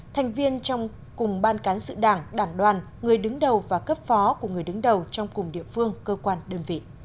thành viên trong cùng ban cán sự đảng đảng đoàn người đứng đầu và cấp phó của người đứng đầu trong cùng địa phương cơ quan đơn vị